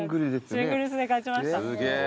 シングルスで勝ちました。